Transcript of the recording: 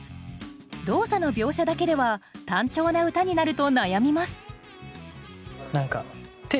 動作の描写だけでは単調な歌になると悩みます